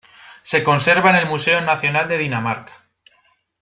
Se conserva en el Museo Nacional de Dinamarca.